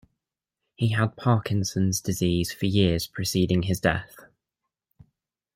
He had Parkinson's disease for years preceding his death.